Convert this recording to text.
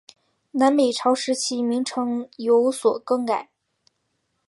南北朝时期名称有所更改。